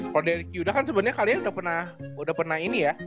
roderick yuda kan sebenernya kalian udah pernah udah pernah ini ya